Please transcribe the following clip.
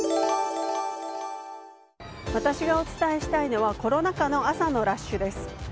私がお伝えしたいのはコロナ禍の朝のラッシュです。